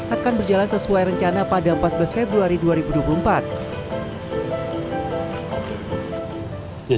akan berjalan sesuai rencana pada empat belas februari dua ribu dua puluh empat